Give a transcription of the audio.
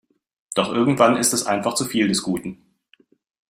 Doch irgendwann ist es einfach zu viel des Guten.